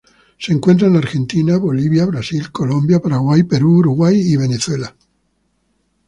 Se encuentra en Argentina, Bolivia, Brasil, Colombia, Paraguay, Perú, Uruguay y Venezuela.